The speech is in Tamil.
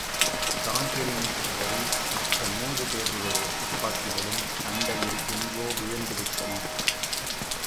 தான்பிரீனைத் தவரி மற்ற மூன்று பேர்களுடைய துப்பாக்கிகளும் சண்டையில் எங்கோவிழுந்துவிட்டன.